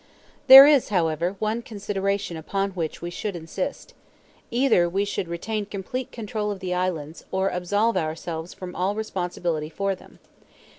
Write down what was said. There is, however, one consideration upon which we should insist. Either we should retain complete control of the islands, or absolve ourselves from all responsibility for them.